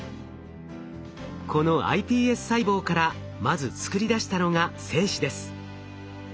このｉＰＳ細胞からまず作り出したのが精子です。